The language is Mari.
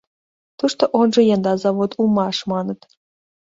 Тушто ожно янда завод улмаш, маныт.